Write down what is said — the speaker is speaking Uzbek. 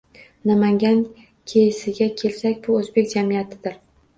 Namangan keysiga kelsak, bu oʻzbek jamiyatidir